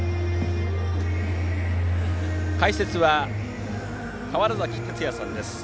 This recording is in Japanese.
解説は川原崎哲也さんです。